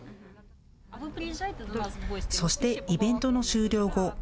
そして、イベントの終了後。